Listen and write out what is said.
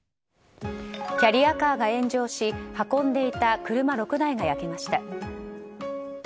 キャリアカーが炎上し運んでいた車６台が焼けました。